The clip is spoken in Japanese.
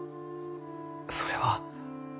それは。